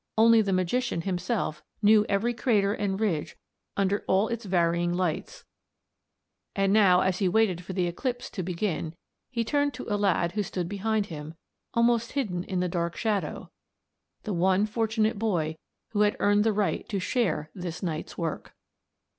Only the magician himself knew every crater and ridge under all its varying lights, and now, as he waited for the eclipse to begin, he turned to a lad who stood behind him, almost hidden in the dark shadow the one fortunate boy who had earned the right to share this night's work.